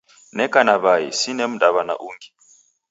Neka na w'ai sine mdaw'ana ungi.